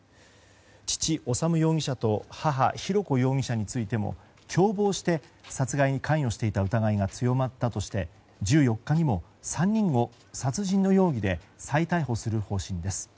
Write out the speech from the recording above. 父・修容疑者と母・浩子容疑者についても共謀して殺害に関与していた疑いが強まったとして１４日にも、３人を殺人の容疑で再逮捕する方針です。